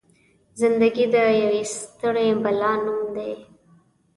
زنده ګي د يوې ستړې بلا نوم دی.